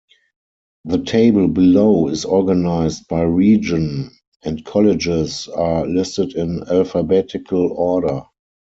The table below is organized by region, and colleges are listed in alphabetical order.